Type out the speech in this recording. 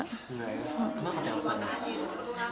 kenapa telah masalah